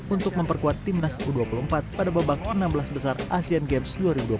untuk memperkuat tim nasi u dua puluh empat pada bebak enam belas besar asean games dua ribu dua puluh dua